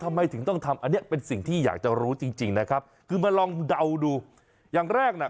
ทำไมถึงต้องทำอันนี้เป็นสิ่งที่อยากจะรู้จริงจริงนะครับคือมาลองเดาดูอย่างแรกน่ะ